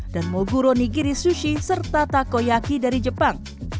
dan moguro nigiri sushi serta takoyaki dari jepang